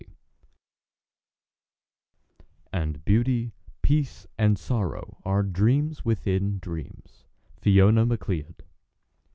XXX And Beauty, Peace, and Sorrow are dreams within dreams. FIONA MACLEOD.